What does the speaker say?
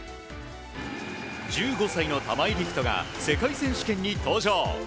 １５歳の玉井陸斗が世界選手権に登場。